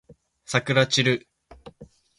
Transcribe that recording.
さくらちる